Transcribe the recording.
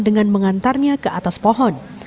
dengan mengantarnya ke atas pohon